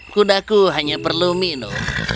kudaku hanya perlu minum